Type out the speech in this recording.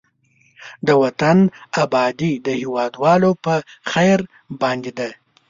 د وطن آبادي د هېوادوالو په خير باندې ده.